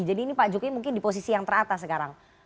jadi ini pak jokowi mungkin di posisi yang teratas sekarang